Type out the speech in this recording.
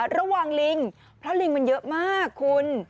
ระวังลิงเพราะลิงมันเยอะมากคุณ